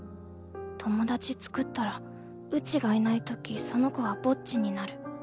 友達つくったらうちがいない時その子はぼっちになる。